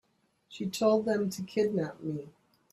She told them to kidnap me.